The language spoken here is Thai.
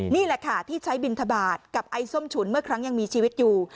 นี่แหละค่ะที่ใช้บินทบาทกับไอ้ส้มฉุนเมื่อครั้งยังมีชีวิตอยู่